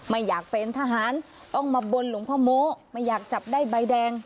ไม่อยากเป็นทหารต้องมาบนหลวงพ่อโม้ไม่อยากจับได้ใบแดง